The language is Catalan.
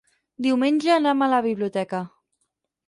Diumenge anam a la biblioteca.